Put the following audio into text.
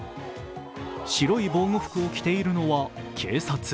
白い防護服を着ているのは警察。